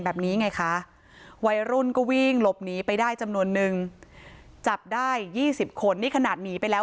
แบบนี้ไงคะวัยรุ่นก็วิ่งหลบหนีไปได้จำนวนนึงจับได้๒๐คนนี่ขนาดหนีไปแล้ว